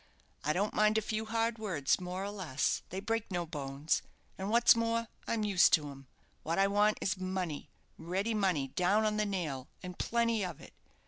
"I don't mind a few hard words, more or less they break no bones; and, what's more, I'm used to 'em. What I want is money, ready money, down on the nail, and plenty of it.